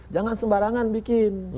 jangan sembarangan bikin